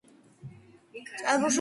წარმოშობით ღარიბი ოჯახიდან.